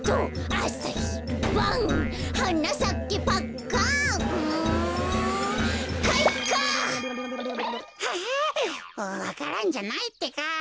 あわか蘭じゃないってか。